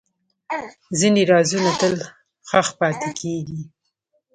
ځینې رازونه تل ښخ پاتې کېږي.